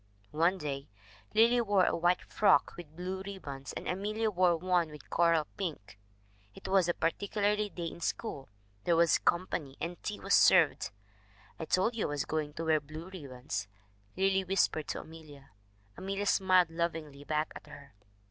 "One day Lily wore a white frock with blue rib bons, and Amelia wore one with coral pink. It was a particular day in school; there was company, and tea was served. " 'I told you I was going to wear blue ribbons/ Lily whispered to Amelia. Amelia smiled lovingly back at her.